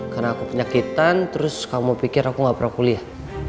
karena aku penyakitan terus kamu pikir aku gak prakuliah